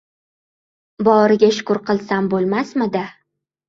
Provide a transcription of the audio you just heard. Boriga shukur qilsam bo‘lmasmidi?